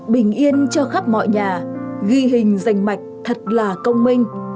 bình yên cho khắp mọi nhà ghi hình dành mạch thật là công minh